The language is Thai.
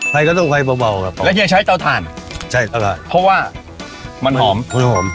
ไฟก็ต้องไฟเบาเบาครับแล้วเฮียใช้เตาถ่านใช่เตาถ่านเพราะว่ามันหอมมันหอม